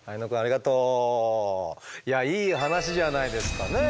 いやいい話じゃないですかねえ。